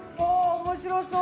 面白そう！